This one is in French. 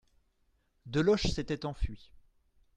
Deloche s'était enfui.